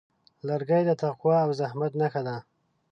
لرګی د تقوا او زحمت نښه ده.